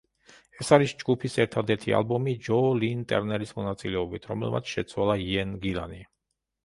ეს არის ჯგუფის ერთადერთი ალბომი ჯო ლინ ტერნერის მონაწილეობით, რომელმაც შეცვალა იენ გილანი.